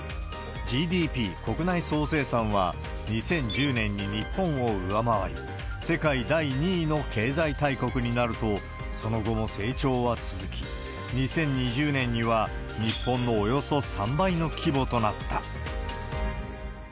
ＧＤＰ・国内総生産は２０１０年に日本を上回り、世界第２位の経済大国になると、その後も成長は続き、２０２０年には日本のおよそ３倍の規模となった。